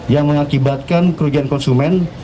yang mengakibatkan kerugian konsumen